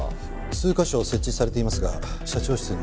数カ所設置されていますが社長室にはありません。